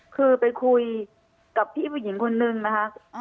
คือไปคุยกับพี่ผู้หญิงคนนึงนะคะ